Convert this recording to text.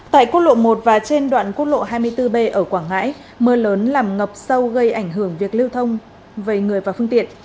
tại quốc lộ một và trên đoạn quốc lộ hai mươi bốn b ở quảng ngãi mưa lớn làm ngập sâu gây ảnh hưởng việc lưu thông về người và phương tiện